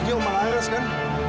ini om malhares kan